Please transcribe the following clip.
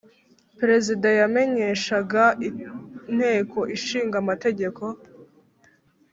Perezida yamenyeshaga Inteko Ishinga amategeko